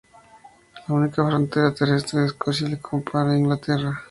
La única frontera terrestre de Escocia la comparte con Inglaterra.